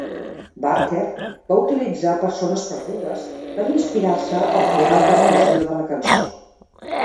Barker va utilitzar Persones Perdudes per inspirar-se al crear la percussió de la cançó.